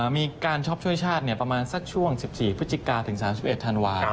มีการชอบช่วยชาติเนี่ยประมาณสักช่วง๑๔ภถึง๓๑ธันวาท